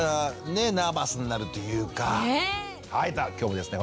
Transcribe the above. はいじゃあ今日もですね